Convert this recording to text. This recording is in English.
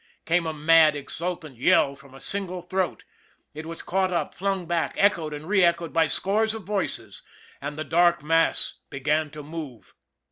Came a mad, exultant yell from a single throat. It was caught up, flung back, echoed and re echoed by a score of voices and the dark mass began to move.